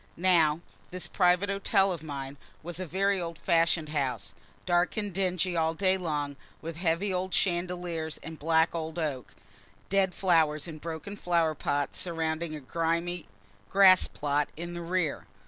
Now, this private hotel of mine was a very old fashioned house, dark and dingy all day long, with heavy old chandeliers and black old oak, and dead flowers in broken flower pots surrounding a grimy grass plot in the rear.